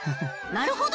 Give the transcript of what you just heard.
なるほど！